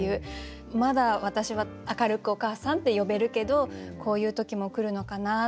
まだ私は明るく「おかあさん」って呼べるけどこういう時も来るのかなって。